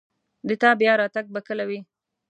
د تا بیا راتګ به کله وي